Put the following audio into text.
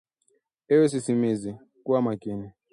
Ewe sisimizi kuwa makini!